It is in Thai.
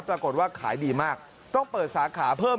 ปรากฏว่าขายดีมากต้องเปิดสาขาเพิ่ม